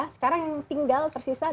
sekarang yang tinggal tersisa dua ratus